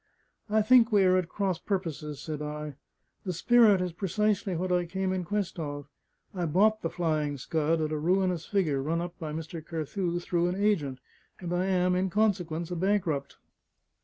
"I think we are at cross purposes," said I. "The spirit is precisely what I came in quest of. I bought the Flying Scud at a ruinous figure, run up by Mr. Carthew through an agent; and I am, in consequence, a bankrupt.